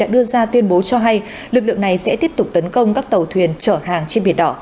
đã tuyên bố cho hay lực lượng này sẽ tiếp tục tấn công các tàu thuyền trở hàng trên biển đỏ